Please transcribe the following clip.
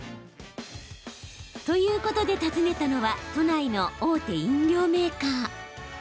ということで訪ねたのは都内の大手飲料メーカー。